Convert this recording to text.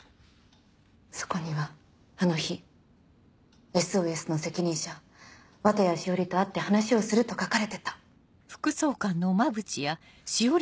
そこにはあの日「ＳＯＳ」の責任者綿谷詩織と会って話をすると書かれてた。